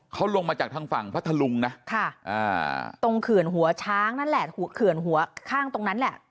เขาลงมาจากทางฝั่งพัทธลุงนะตรงเขื่อนหัวช้างนั่นแหละหัวเขื่อนหัวข้างตรงนั้นแหละ